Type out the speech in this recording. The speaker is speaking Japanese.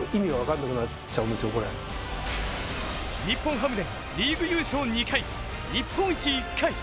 日本ハムでリーグ優勝２回日本一１回。